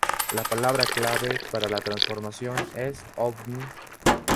La palabra clave para la transformación es '¡Ovni!